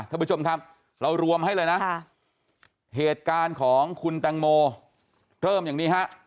ท่านผู้ชมครับเรารวมให้เลยนะเหตุการณ์ของคุณแตงโมเริ่มอย่างนี้ฮะ